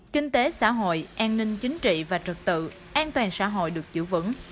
kinh tế xã hội an ninh chính trị và trực tự an toàn xã hội được giữ vững